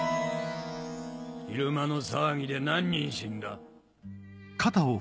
昼間の騒ぎで何人死んだ？